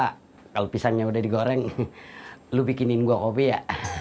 kalau pisangnya udah digoreng lu bikinin gue kopi ya